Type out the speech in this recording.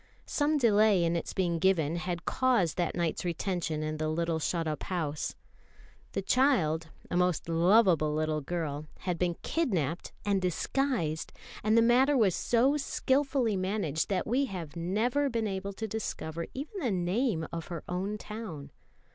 Some delay in its being given had caused that night's retention in the little shut up house. The child, a most lovable little girl, had been kidnapped and disguised; and the matter was so skilfully managed, that we have never been able to discover even the name of her own town.